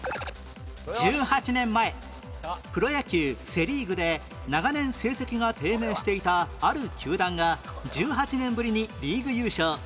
１８年前プロ野球セ・リーグで長年成績が低迷していたある球団が１８年ぶりにリーグ優勝